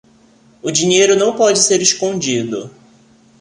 O dinheiro não pode ser escondido.